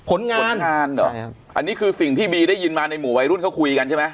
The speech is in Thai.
ผลงานผลงานเหรอครับอันนี้คือสิ่งที่บีได้ยินมาในหมู่วัยรุ่นเขาคุยกันใช่ไหม